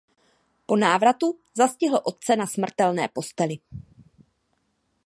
Po návratu zastihl otce na smrtelné posteli.